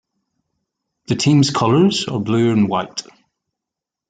The team's colours are blue and white.